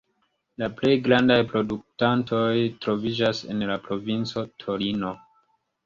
La plej grandaj produktantoj troviĝas en la provinco Torino.